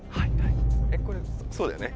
これそうだよね？